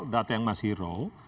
data yang masih raw